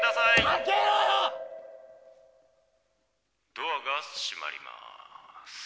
ドアが閉まります。